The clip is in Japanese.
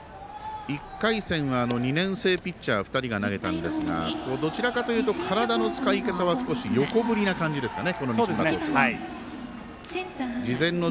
１回戦は２年生ピッチャー２人が投げたんですがどちらかというと体の使い方は少し横振りな感じですかね。